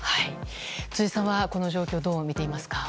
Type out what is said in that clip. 辻さんは、この状況をどう見ていますか？